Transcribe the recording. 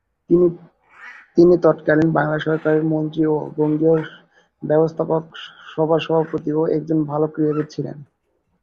তিনি তৎকালীন বাংলা সরকারের মন্ত্রী ও বঙ্গীয় ব্যবস্থাপক সভার সভাপতি ও একজন ভালো ক্রীড়াবিদ ছিলেন।